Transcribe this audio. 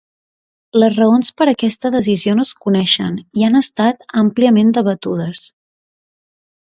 Les raons per a aquesta decisió no es coneixen, i han estat àmpliament debatudes.